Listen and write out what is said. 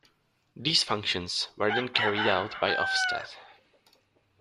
These functions were then carried out by Ofsted.